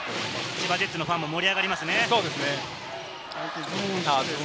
千葉ジェッツのファンも盛り上がりますね。